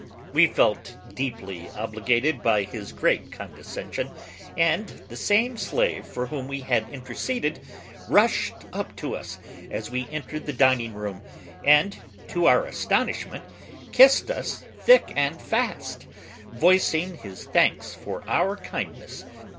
We felt deeply obligated by his great condescension, and the same slave for whom we had interceded, rushed up to us as we entered the dining room, and to our astonishment, kissed us thick and fast, voicing his thanks for our kindness.